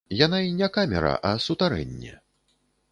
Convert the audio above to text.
Яна і не камера, а сутарэнне.